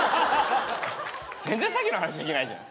全然サキの話できないじゃん。